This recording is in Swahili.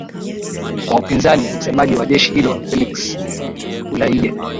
wa upinzani msemaji wa jeshi hilo felix kulaije